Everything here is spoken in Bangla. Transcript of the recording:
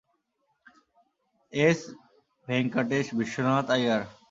এস ভেঙ্কাটেশ বিশ্বনাথ আইয়ার।